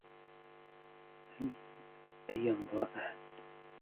هل أى ينظر أحد ؟